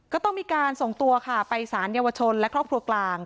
ก็ต้องมีการส่งตัวค่ะไปสารเยาวชนและครอบครัวกลาง